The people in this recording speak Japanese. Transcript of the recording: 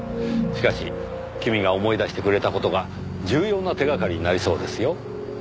しかし君が思い出してくれた事が重要な手がかりになりそうですよ。